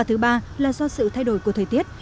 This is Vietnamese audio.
thứ ba là do sự thay đổi của thời tiết